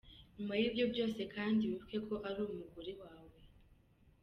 nyuma yibyo byose kandi wibuke ko ari umugore wawe.